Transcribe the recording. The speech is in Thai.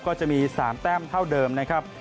ก็จะมี๓แต้มเท่าเดิมนะครับ